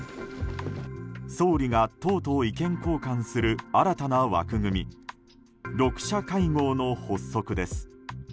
総理が党と意見交換する新たな枠組み６者会合の発足です。